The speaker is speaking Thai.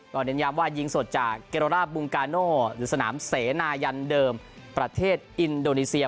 เน้นย้ำว่ายิงสดจากเกโรล่าบุงกาโน่หรือสนามเสนายันเดิมประเทศอินโดนีเซีย